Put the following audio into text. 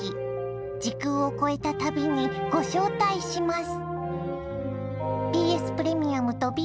時空を超えた旅にご招待します。